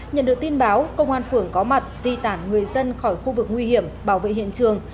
nhận được tin báo công an phường có mặt di tản người dân khỏi khu vực nguy hiểm bảo vệ hiện trường